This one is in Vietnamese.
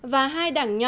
và hai đảng nhỏ